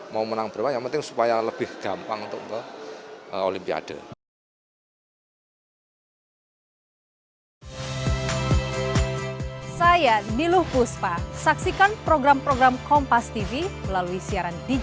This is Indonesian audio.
mau menang berapa yang penting supaya lebih gampang untuk ke olimpiade